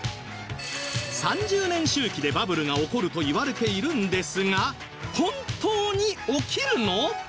３０年周期でバブルが起こるといわれているんですが本当に起きるの？